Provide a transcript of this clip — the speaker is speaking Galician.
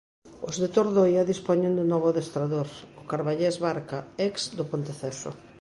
Os de Tordoia dispoñen de novo adestrador, o carballés Barca, ex do Ponteceso.